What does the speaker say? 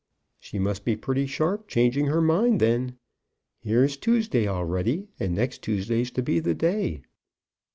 "She must be pretty sharp changing her mind, then. Here's Tuesday already, and next Tuesday is to be the day."